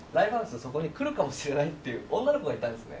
そこに来るかもしれないという女の子がいたんですね。